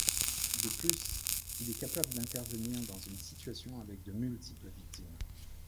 De plus, il est capable d'intervenir dans une situation avec de multiples victimes.